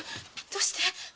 どうして？